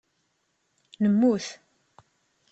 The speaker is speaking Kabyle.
Nemmut.